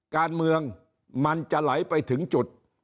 การเมืองมันจะไหลไปถึงจุด